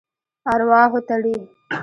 ارواحو تړي.